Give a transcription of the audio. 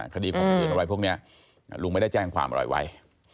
คดีขบคืนอะไรพวกนี้ลุงไม่ได้แจ้งความอร่อยไว้